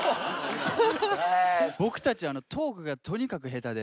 僕たちトークがとにかく下手で。